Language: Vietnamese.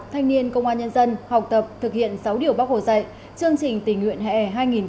thanh niên công an nhân dân học tập thực hiện sáu điều bác hồ dạy chương trình tình nguyện hệ hai nghìn một mươi chín